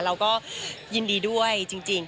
เราก็ยินดีด้วยจริง